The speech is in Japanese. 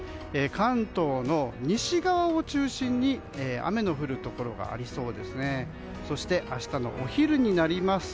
関東の西側を中心に雨の降るところがありそうです。